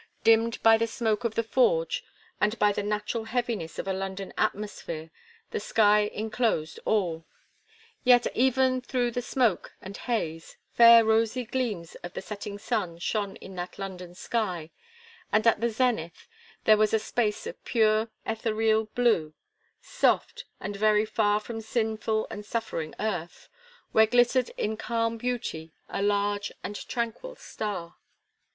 Dimmed by the smoke of the forge, and by the natural heaviness of a London atmosphere, the sky enclosed all; yet, even through the smoke and haze, fair rosy gleams of the setting sun shone in that London sky, and at the zenith there was a space of pure, ethereal blue soft, and very far from sinful and suffering earth, where glittered in calm beauty a large and tranquil star.